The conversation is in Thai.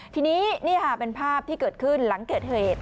ทีนี้นี่ค่ะเป็นภาพที่เกิดขึ้นหลังเกิดเหตุ